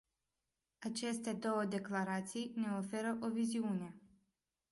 Aceste două declarații ne oferă o viziune.